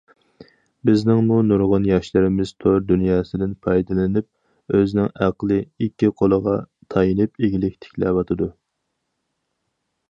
بىزنىڭمۇ نۇرغۇن ياشلىرىمىز تور دۇنياسىدىن پايدىلىنىپ، ئۆزىنىڭ ئەقلى، ئىككى قولىغا تايىنىپ ئىگىلىك تىكلەۋاتىدۇ.